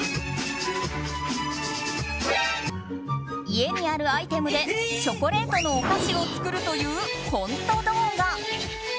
家にあるアイテムでチョコレートのお菓子を作るというコント動画。